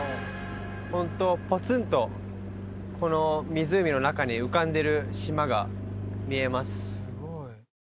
ホントポツンとこの湖の中に浮かんでる島が見えます